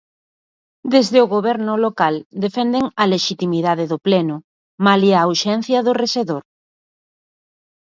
Desde o Goberno local defenden a lexitimidade do pleno, malia a ausencia do rexedor.